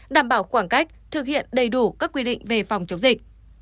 đảm bảo khoảng cách thực hiện đầy đủ các quy định về phòng chống dịch